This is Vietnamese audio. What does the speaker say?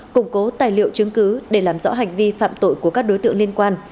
củng cố tài liệu chứng cứ để làm rõ hành vi phạm tội của các đối tượng liên quan